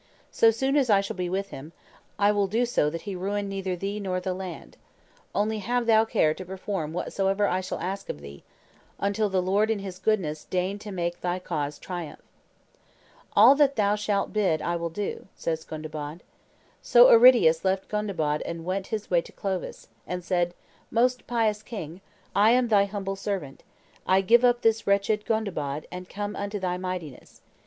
So soon as I shall be with him, I will so do that he ruin neither thee nor the land. Only have thou care to perform whatsoever I shall ask of thee, until the Lord in His goodness deign to make thy cause triumph." "All that thou shalt bid will I do," said Gondebaud. So Aridius left Gondebaud and went his way to Clovis, and said, "Most pious king, I am thy humble servant; I give up this wretched Gondebaud, and come unto thy mightiness.